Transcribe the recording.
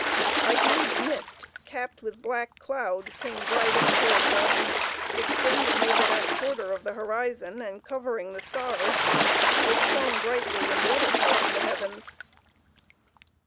A huge mist capped with black cloud came driving towards us, extending over that quarter of the horizon, and covering the stars, which shone brightly in the other part of the heavens.